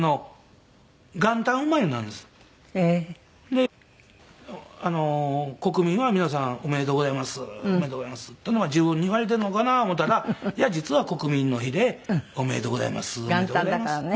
で国民は皆さんおめでとうございますおめでとうございますっていうのは自分に言われてるのかな思ったら実は国民の日でおめでとうございますおめでとうございますって言うて。